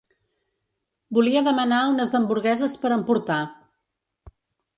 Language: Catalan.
Volia demanar unes hamburgueses per emportar.